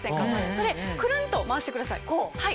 それクルンと回してください。